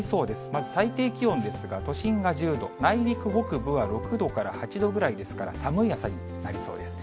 まず最低気温ですが、都心が１０度、内陸北部は６度から８度ぐらいですから、寒い朝になりそうです。